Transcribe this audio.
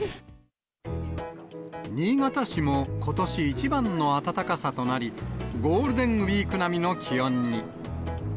新潟市もことし一番の暖かさとなり、ゴールデンウィーク並みの気温に。